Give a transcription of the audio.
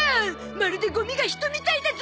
まるでゴミが人みたいだゾ！